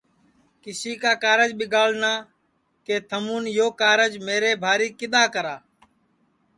کیسی کا کارج ٻیگاڑنا کہ تھمُون یہ کارج میرے بھاری کِدؔا کرا